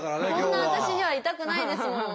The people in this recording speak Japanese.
こんな私ではいたくないですもん。